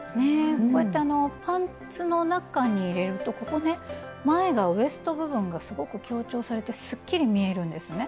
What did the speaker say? こうやってパンツの中に入れるとここね前がウエスト部分がすごく強調されてすっきり見えるんですね。